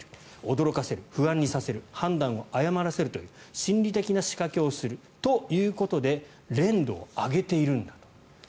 驚かせる、不安にさせる判断を誤らせるという心理的な仕掛けをすることで練度を上げているんだと。